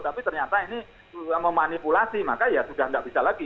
tapi ternyata ini memanipulasi maka ya sudah tidak bisa lagi